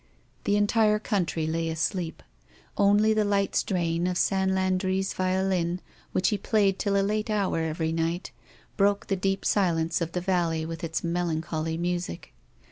The entire country lay asleep. Only the light strain of Saint Landri's violin, which he played till a late hour every night, broke the deep silence of the valley with its melancholy music.